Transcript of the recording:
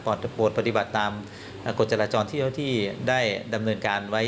ปฏิบัติปฏิบัติตามกฎจราจรที่เจ้าที่ได้ดำเนินการไว้